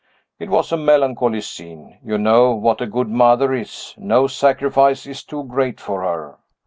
It was a melancholy scene You know what a good mother is no sacrifice is too great for her.